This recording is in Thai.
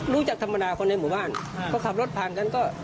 รู้จักธรรมดาคนในหมู่บ้านพอขับรถผ่านกันก็